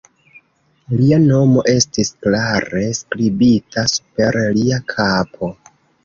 Lia nomo estis klare skribita super lia kapo.